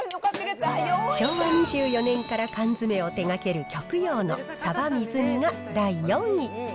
昭和２４年から缶詰を手がける極洋のさば水煮が第４位。